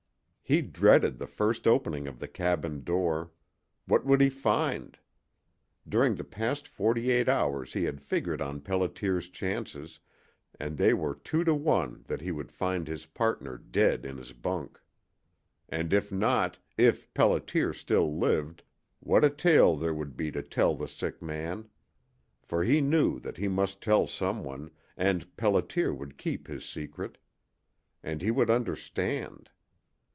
He dreaded the first opening of the cabin door. What would he find? During the past forty eight hours he had figured on Pelliter's chances, and they were two to one that he would find his partner dead in his bunk. And if not, if Pelliter still lived, what a tale there would be to tell the sick man! For he knew that he must tell some one, and Pelliter would keep his secret. And he would understand.